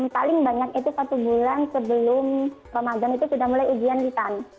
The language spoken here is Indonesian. paling banyak itu satu bulan sebelum ramadan itu sudah mulai ujian lisan